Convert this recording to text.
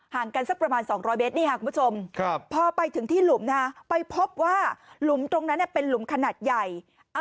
กันสักประมาณ๒๐๐เมตรนี่ค่ะคุณผู้ชมพอไปถึงที่หลุมไปพบว่าหลุมตรงนั้นเป็นหลุมขนาดใหญ่